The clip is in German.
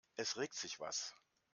Es regt sich was.